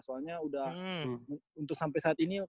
soalnya udah untuk sampai saat ini